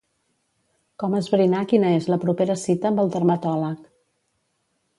Com esbrinar quina és la propera cita amb el dermatòleg.